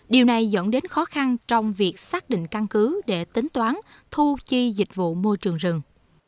điều này dẫn đến khó khăn trong việc xác định căn cứ để tính toán thu chi dịch vụ môi trường rừng